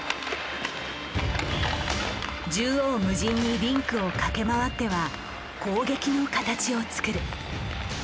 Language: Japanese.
縦横無尽にリンクを駆け回っては攻撃の形を作る。